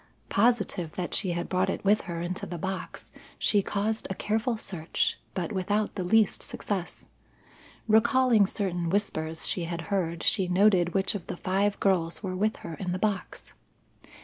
Positive that she had brought it with her into the box, she caused a careful search, but without the least success. Recalling certain whispers she had heard, she noted which of the five girls were with her in the box.